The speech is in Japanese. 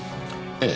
ええ。